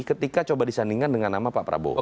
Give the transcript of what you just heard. ketika coba disandingkan dengan nama pak prabowo